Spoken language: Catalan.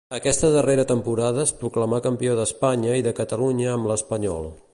Aquesta darrera temporada es proclamà campió d'Espanya i de Catalunya amb l'Espanyol.